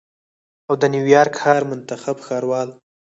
او د نیویارک ښار منتخب ښاروال